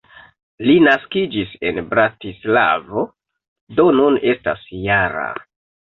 Li naskiĝis en Bratislavo, do nun estas -jara.